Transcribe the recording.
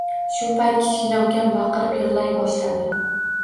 Shu payt kichkina ukam baqirib yigʻlay boshladi.